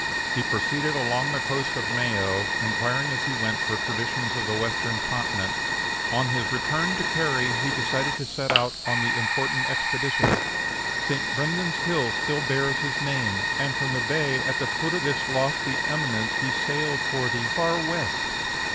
"He proceeded along the coast of Mayo, inquiring as he went for traditions of the Western continent. On his return to Kerry he decided to set out on the important expedition. St. Brendan's Hill still bears his name; and from the bay at the foot of this lofty eminence be sailed for the 'Far West.'